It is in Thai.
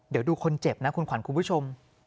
เดี๋ยวดูคนเจ็บนะคุณขวัญคุณผู้ชม